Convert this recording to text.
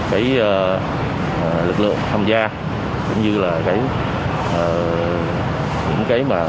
cái lực lượng tham gia cũng như là cái những cái mà